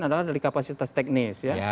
adalah dari kapasitas teknis